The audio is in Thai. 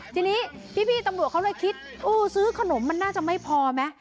ทีนี้พี่ตำรวจเขาเลยคิดอู้ซื้อขนมมันน่าจะไม่พอไหม